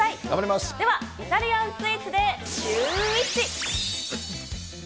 ではイタリアンスイーツでシューＷｈｉｃｈ。